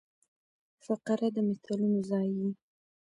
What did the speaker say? فقره د مثالونو ځای يي.